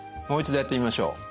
もう一度やってみましょう。